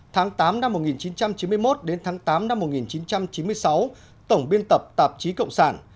tháng tám năm một nghìn chín trăm chín mươi một đến tháng tám năm một nghìn chín trăm chín mươi sáu tổng biên tập tạp chí cộng sản